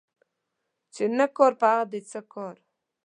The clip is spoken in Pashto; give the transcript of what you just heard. چي نه کار په هغه دي څه کار.